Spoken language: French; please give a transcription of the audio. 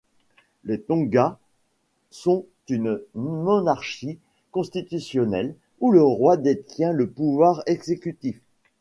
Les Tonga sont une monarchie constitutionnelle où le roi détient le pouvoir exécutif.